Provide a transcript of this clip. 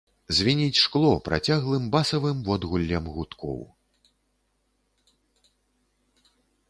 Звініць шкло працяглым басавым водгуллем гудкоў.